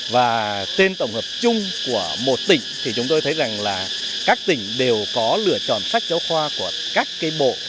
và tên tổng hợp chung của một tỉnh thì chúng tôi thấy rằng là các tỉnh đều có lựa chọn sách giáo khoa của các cái bộ sách giáo khoa